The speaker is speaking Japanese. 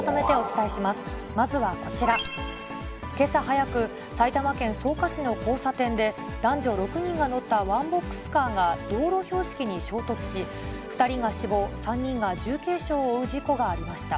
けさ早く、埼玉県草加市の交差点で、男女６人が乗ったワンボックスカーが道路標識に衝突し、２人が死亡、３人が重軽傷を負う事故がありました。